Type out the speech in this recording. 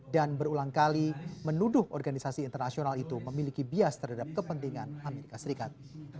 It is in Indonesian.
dan berulang kali menuduh organisasi internasional itu memiliki bias terhadap kepentingan amerika serikat